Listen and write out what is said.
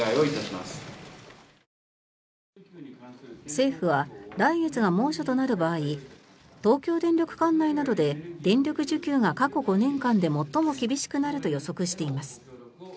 政府は来月が猛暑となる場合東京電力管内などで電力需給が過去５年間で最も厳しくなると予測しています。